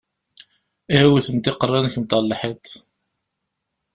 Ihi wwtemt iqeṛṛa-nkent ɣer lḥiḍ!